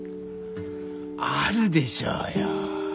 あるでしょうよ。